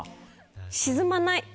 沈まない。